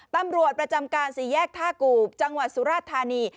ตำรวจประจำการสี่แยกท่ากูบจังหวัดสุราชธานี